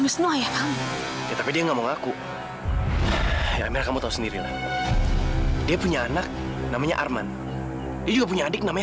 sampai jumpa di video selanjutnya